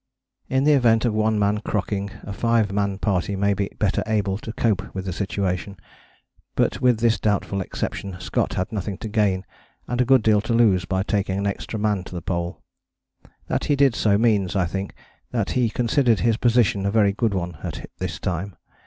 In the event of one man crocking a five man party may be better able to cope with the situation, but with this doubtful exception Scott had nothing to gain and a good deal to lose by taking an extra man to the Pole. That he did so means, I think, that he considered his position a very good one at this time.